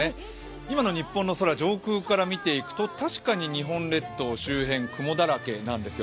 今の日本の空を上空から見てみると確かに日本列島周辺、雲だらけなんですよ。